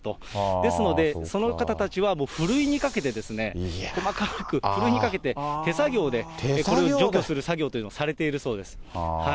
ですので、その方たちはもうふるいにかけて、細かーくふるいにかけて手作業でこれを除去する作業というのをされているそうです。